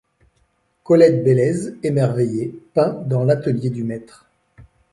Colette Beleys, émerveillée, peint dans l'atelier du Maître.